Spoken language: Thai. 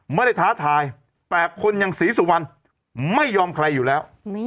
ท้าทายแต่คนอย่างศรีสุวรรณไม่ยอมใครอยู่แล้ว